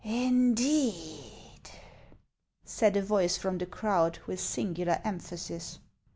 " Indeed !" said a voice from the crowd, with singular emphasis.